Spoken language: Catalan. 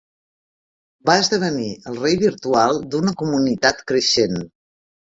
Va esdevenir el rei virtual d'una comunitat creixent.